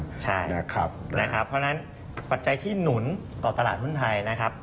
เพราะฉะนั้นปัจจัยที่หนุนต่อตลาดหุ้นไทยนะครับ